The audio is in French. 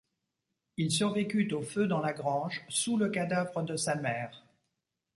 Il survécut au feu dans la grange sous le cadavre de sa mère.